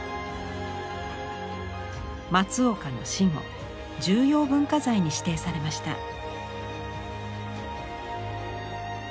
松岡の死後重要文化財に指定されました。